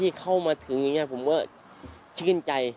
เข้ามาถึงอย่างนี้ผมก็ชื่นใจ